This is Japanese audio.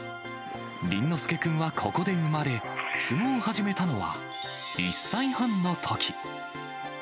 倫之亮君はここで生まれ、相撲を始めたのは、１歳半のとき。